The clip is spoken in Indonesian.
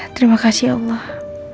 terima kasih ya allah